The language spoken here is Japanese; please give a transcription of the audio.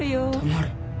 黙れ。